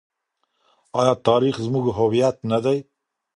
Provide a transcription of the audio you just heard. آیا تاریخ زموږ هویت نه دی؟